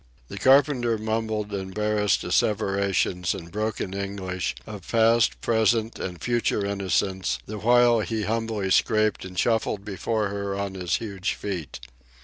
The carpenter mumbled embarrassed asseverations in broken English of past, present, and future innocence, the while he humbly scraped and shuffled before her on his huge feet.